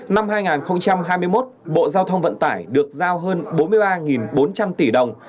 năm hai nghìn hai mươi một bộ giao thông vận tải được giao hơn bốn mươi ba bốn trăm linh tỷ đồng